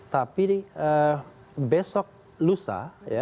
tapi besok lusa